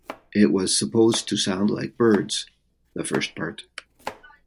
It was supposed to sound like birds - the first part.